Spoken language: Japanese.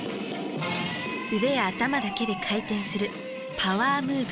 腕や頭だけで回転するパワームーブ。